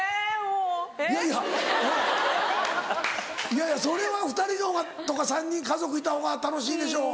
いやいやそれは２人とか３人家族いたほうが楽しいでしょ。